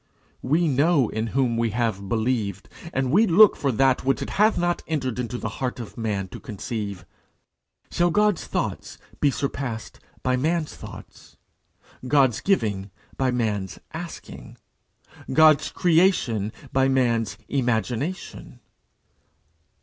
We know in whom we have believed, and we look for that which it hath not entered into the heart of man to conceive. Shall God's thoughts be surpassed by man's thoughts? God's giving by man's asking? God's creation by man's imagination?